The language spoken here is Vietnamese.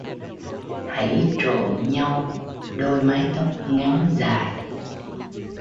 Hãy trộn nhau đôi mái tóc ngắn dài!